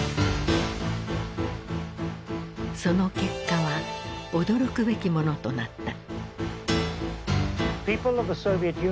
その結果は驚くべきものとなった。